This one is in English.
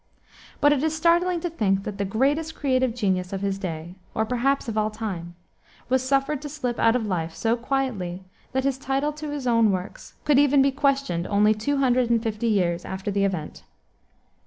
But it is startling to think that the greatest creative genius of his day, or perhaps of all time, was suffered to slip out of life so quietly that his title to his own works could even be questioned only two hundred and fifty years after the event.